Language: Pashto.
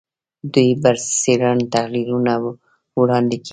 دوی برسېرن تحلیلونه وړاندې کوي